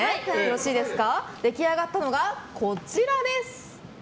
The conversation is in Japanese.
出来上がったのがこちらです！